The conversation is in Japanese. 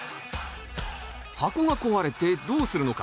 箱が壊れてどうするのか。